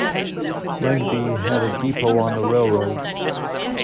Lengby had a depot on the railroad.